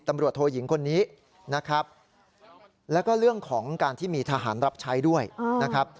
ตำรวจโทยิงคนนี้นะครับแล้วก็เรื่องของการที่มีทหารรับใช้ด้วยนะครับ